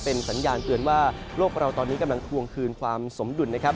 เป็นสัญญาณเตือนว่าโลกเราตอนนี้กำลังทวงคืนความสมดุลนะครับ